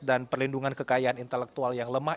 dan perlindungan kekayaan intelektual yang lemah